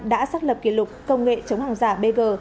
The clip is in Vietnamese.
đã xác lập kỷ lục công nghệ chống hàng giả bg